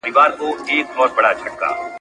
خدای مي مین کړی پر غونچه د ارغوان یمه ..